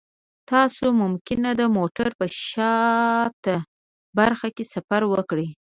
تاسو ممکن د موټر په شاته برخه کې سفر وکړئ